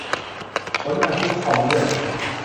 ผลงานซิตคอมเรื่อง